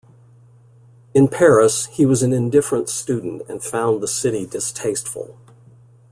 In Paris, he was an indifferent student and found the city distasteful.